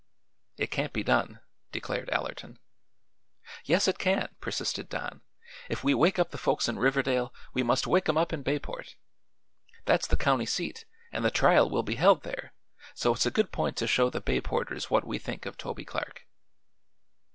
"It can't be done," declared Allerton. "Yes, it can," persisted Don. "If we wake up the folks in Riverdale we must wake 'em up in Bayport. That's the county seat and the trial will be held there, so it's a good point to show the Bayporters what we think of Toby Clark."